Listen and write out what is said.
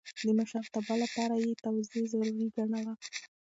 د مشرتابه لپاره يې تواضع ضروري ګڼله.